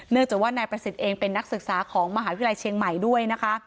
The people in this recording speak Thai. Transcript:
จากว่านายประสิทธิ์เองเป็นนักศึกษาของมหาวิทยาลัยเชียงใหม่ด้วยนะคะ